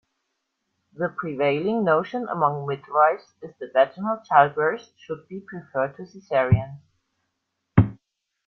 The prevailing notion among midwifes is that vaginal childbirths should be preferred to cesareans.